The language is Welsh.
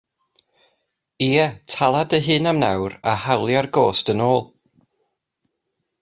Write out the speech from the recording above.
Ie, tala dy hun am nawr a hawlia'r gost yn ôl.